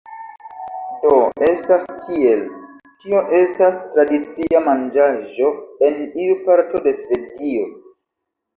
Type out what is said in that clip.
Do, estas tiel, tio estas tradicia manĝaĵo en iu parto de Svedio